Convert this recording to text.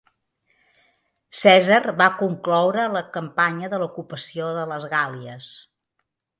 Cèsar va concloure la campanya de l'ocupació de les Gàl·lies.